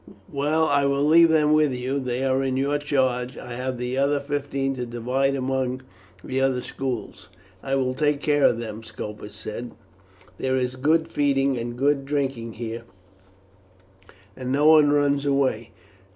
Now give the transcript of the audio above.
"Well, I will leave them with you; they are in your charge. I have the other fifteen to divide among three other schools." "I will take care of them," Scopus said. "There is good feeding and good drinking here, and no one runs away.